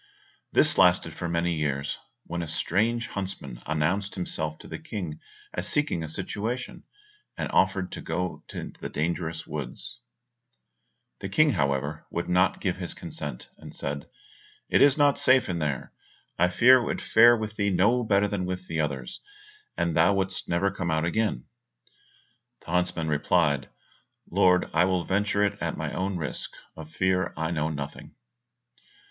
This lasted for many years, when a strange huntsman announced himself to the King as seeking a situation, and offered to go into the dangerous forest. The King, however, would not give his consent, and said, "It is not safe in there; I fear it would fare with thee no better than with the others, and thou wouldst never come out again." The huntsman replied, "Lord, I will venture it at my own risk, of fear I know nothing."